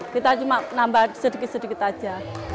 kita cuma nambah sedikit sedikit aja